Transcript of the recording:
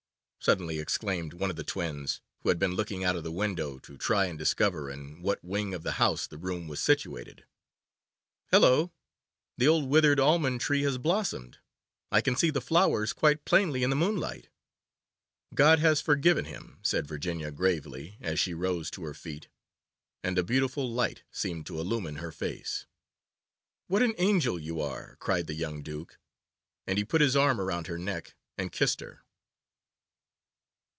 suddenly exclaimed one of the twins, who had been looking out of the window to try and discover in what wing of the house the room was situated. 'Hallo! the old withered almond tree has blossomed. I can see the flowers quite plainly in the moonlight.' 'God has forgiven him,' said Virginia gravely, as she rose to her feet, and a beautiful light seemed to illumine her face. 'What an angel you are!' cried the young Duke, and he put his arm round her neck and kissed her.